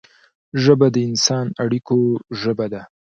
ژبه د انساني اړیکو ژبه ده